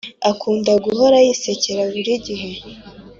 Akunda guhora yisekera buri gihe